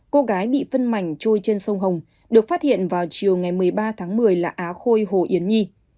cô gái bị phân mảnh chui trên sông hồng được phát hiện vào chiều ngày một mươi ba tháng một mươi là á khôi hồ yến nhi